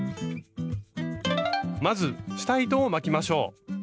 まず下糸を巻きましょう。